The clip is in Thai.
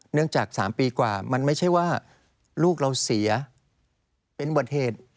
จาก๓ปีกว่ามันไม่ใช่ว่าลูกเราเสียเป็นบทเหตุ